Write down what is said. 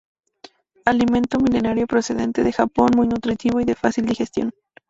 Alimento milenario procedente de Japón, muy nutritivo y de fácil digestión.